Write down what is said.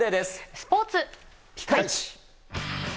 スポーツピカイチ。